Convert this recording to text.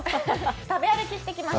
食べ歩きしてきました。